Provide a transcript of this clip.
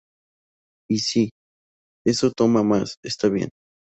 Y sí eso toma más, está bien.